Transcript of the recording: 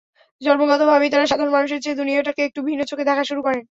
জন্মগতভাবেই তাঁরা সাধারণ মানুষের চেয়ে দুনিয়াটাকে একটু ভিন্ন চোখে দেখা শুরু করেন।